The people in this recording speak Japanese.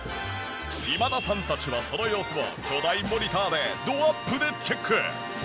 今田さんたちはその様子を巨大モニターでどアップでチェック。